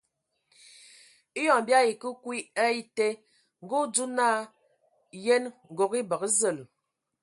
Eyon bii ayi ke kwi a ete, ngə o dzo naa :Yənə, ngɔg e bəgə zəl !